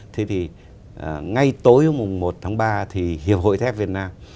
thế thì ngay tối mùng một tháng ba thì hiệp hội thép việt nam